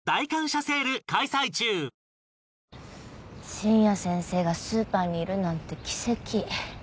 深夜先生がスーパーにいるなんて奇跡。